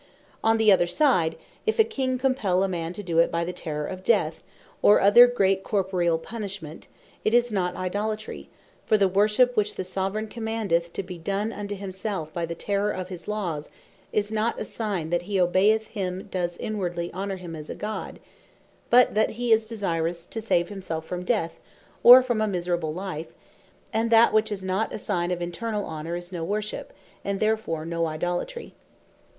On the other side, if a King compell a man to it by the terrour of Death, or other great corporall punishment, it is not Idolatry: For the Worship which the Soveraign commandeth to bee done unto himself by the terrour of his Laws, is not a sign that he that obeyeth him, does inwardly honour him as a God, but that he is desirous to save himselfe from death, or from a miserable life; and that which is not a sign of internall honor, is no Worship; and therefore no Idolatry.